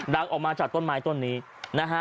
ออกมาจากต้นไม้ต้นนี้นะฮะ